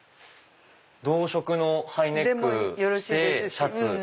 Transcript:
同色のハイネック着てシャツ。